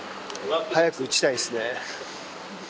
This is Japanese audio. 早く撃ちたいですね。